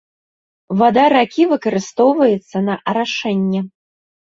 Вада ракі выкарыстоўваецца на арашэнне.